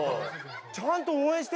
ちゃんと応援して。